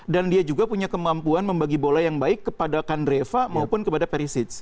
dan dia juga punya kemampuan membagi bola yang baik kepada kandreva maupun kepada perisic